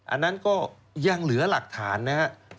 อันนั้นก็ยังเหลือหลักฐานนะครับ